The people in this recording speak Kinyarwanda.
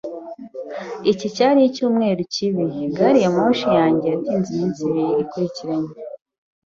Iki cyari icyumweru kibi. Gari ya moshi yanjye yatinze iminsi ibiri ikurikiranye.